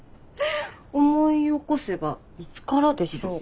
「思い起こせばいつからでしょうか」。